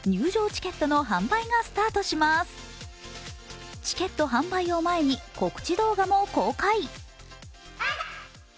チケット販売を前に告知動画も公開。